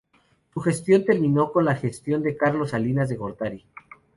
Su gestión terminó con la gestión de Carlos Salinas de Gortari.